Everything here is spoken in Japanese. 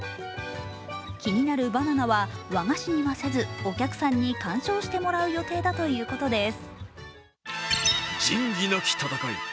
気になるバナナは和菓子にはせず、お客さんに観賞してもらう予定だということです。